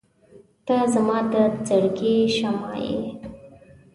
• ته زما د زړګي شمعه یې.